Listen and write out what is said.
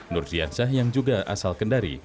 nur diansyah yang juga asal kendari